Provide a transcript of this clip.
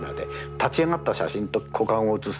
立ち上がった写真と股間を写す。